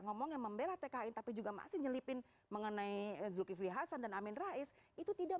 ngomong yang membela tkn tapi juga masih nyelipin mengenai zulkifli hasan dan amin rais itu tidak